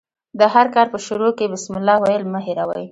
د هر کار په شروع کښي بسم الله ویل مه هېروئ!